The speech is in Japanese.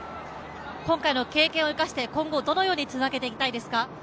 今回の経験を生かして今後、どのようにつなげていきたいですか？